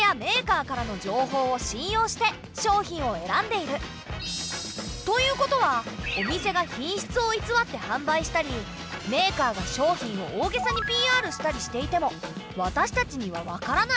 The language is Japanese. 多くの場合私たちはということはお店が品質をいつわって販売したりメーカーが商品を大げさにＰＲしたりしていても私たちにはわからない。